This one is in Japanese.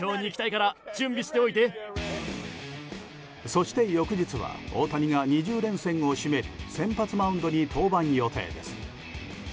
そして翌日は大谷が２０連戦を締める先発マウンドに登板予定です。